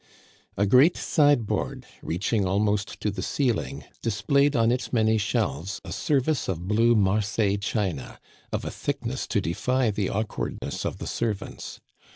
A great sideboard, reaching almost to the ceiling, displayed on its many shelves a service of blue Mar seilles china, of a thickness to defy the awkwardness of the servants.